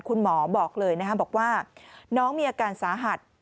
คุณหมอบอกเลยนะครับบอกว่าน้องมีอาการสาหัส